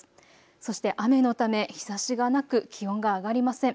そして雨のため日ざしがなく気温が上がりません。